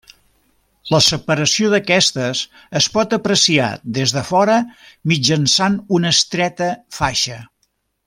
La separació d'aquestes es pot apreciar des de fora mitjançant una estreta faixa.